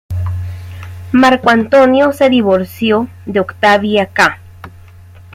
Marco Antonio se divorció de Octavia ca.